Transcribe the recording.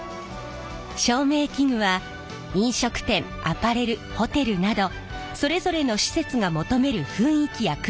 照明器具は飲食店アパレルホテルなどそれぞれの施設が求める雰囲気や空間の印象を決める